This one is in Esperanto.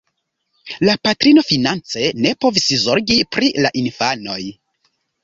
La patrino finance ne povis zorgi pri la infanoj.